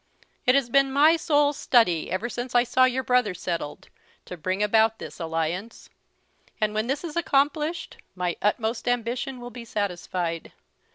It has been my sole study, ever since I saw your brother settled, to bring about this alliance; and, when this is accomplished, my utmost ambition will be satisfied.